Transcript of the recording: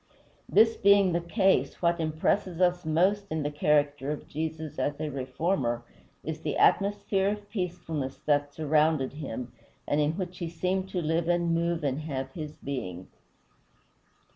This being the case, what impresses us most in the character of Jesus, as a reformer, is the atmosphere of peacefulness that surrounded him, and in which he seemed to live and move and have his being.